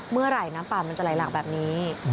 เมื่อไหร่น้ำป่ามันจะไหลหลากแบบนี้